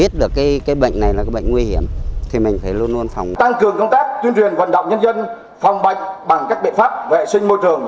tăng cường công tác tuyên truyền vận động nhân dân phòng bệnh bằng các biện pháp vệ sinh môi trường